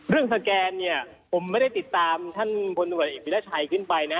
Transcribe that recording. เรื่องสแกนเนี่ยผมไม่ได้ติดตามท่านพอวิรัชัยขึ้นไปนะ